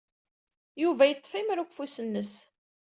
Yuba yeḍḍef imru deg ufus-nnes.